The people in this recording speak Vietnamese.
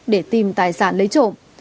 để tìm tài sản lấy trộm